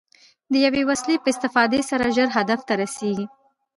د یوې وسیلې په استفادې سره ژر هدف ته رسېږي.